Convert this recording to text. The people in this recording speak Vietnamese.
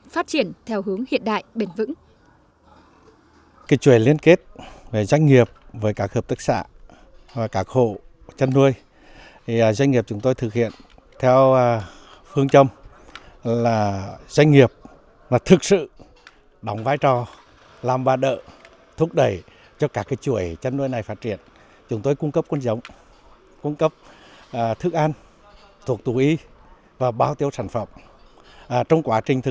phát triển theo hướng hiện đại bền vững